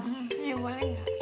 iya boleh nggak